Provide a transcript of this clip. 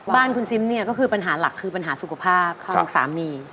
บ้านคุณซิมเนี่ยก็คือปัญหาหลักคือปัญหาสุขภาพของสามี